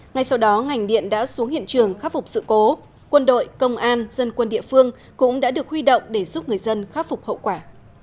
ngay sau đó ngành điện đã xuống hiện trường khắc phục sự cố quân đội công an dân quân địa phương cũng đã được huy động để giúp người dân khắc phục hậu quả